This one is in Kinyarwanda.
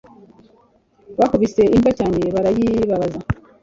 Bakubise imbwa cyane barayibabaza